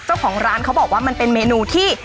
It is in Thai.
เจ้าของร้านเขาบอกว่ามันเป็นเมนูที่